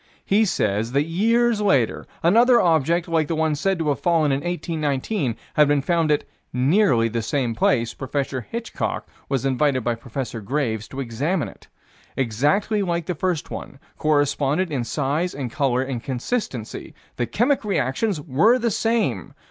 He says that years later, another object, like the one said to have fallen in 1819, had been found at "nearly the same place." Prof. Hitchcock was invited by Prof. Graves to examine it. Exactly like the first one. Corresponded in size and color and consistency. The chemic reactions were the same.